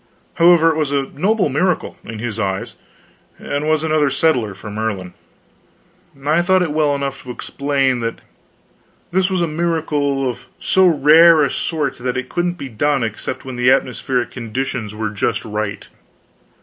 However, it was a noble miracle, in his eyes, and was another settler for Merlin. I thought it well enough to explain that this was a miracle of so rare a sort that it couldn't be done except when the atmospheric conditions were just right.